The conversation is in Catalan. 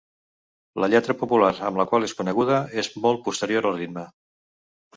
La lletra popular amb la qual és coneguda és molt posterior al ritme.